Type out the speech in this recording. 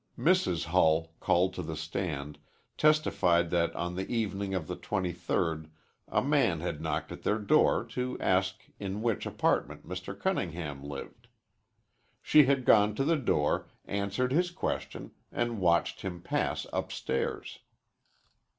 Mrs. Hull, called to the stand, testified that on the evening of the twenty third a man had knocked at their door to ask in which apartment Mr. Cunningham lived. She had gone to the door, answered his question, and watched him pass upstairs.